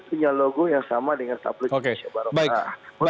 punya logo yang sama dengan tabloid indonesia baroka